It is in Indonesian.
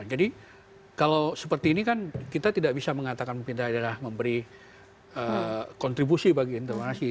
jadi kalau seperti ini kan kita tidak bisa mengatakan peminta daerah memberi kontribusi bagi internasi